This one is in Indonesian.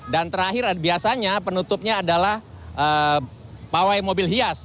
dan terakhir biasanya penutupnya adalah pawai mobil hias